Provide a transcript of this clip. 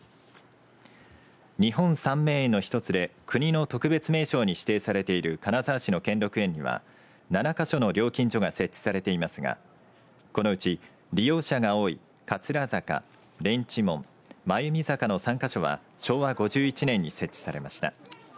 日本三名園の１つで国の特別名勝に指定されている金沢市の兼六園には７か所の料金所が設置されていますがこのうち利用者が多い桂坂蓮池門、真弓坂の３か所は昭和５１年に設置されました。